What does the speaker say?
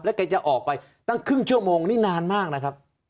แกจะออกไปตั้งครึ่งชั่วโมงนี่นานมากนะครับ